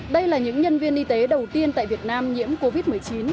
đây là những nhân viên y tế đầu tiên tại việt nam nhiễm covid một mươi chín